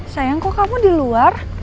sayang kok kamu di luar